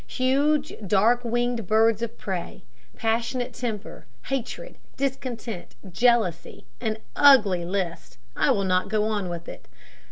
Huge dark winged birds of prey passionate temper, hatred, discontent, jealousy; an ugly list, I will not go on with it.